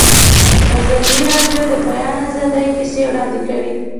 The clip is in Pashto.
ازادي راډیو د د بیان آزادي کیسې وړاندې کړي.